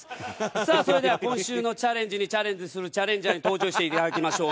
さあそれでは今週のチャレンジにチャレンジするチャレンジャーに登場していただきましょう。